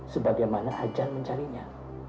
sebagaimana ajar mencarinya